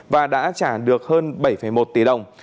và đã trả được hơn bảy một tỷ đồng